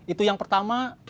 itu yang pertama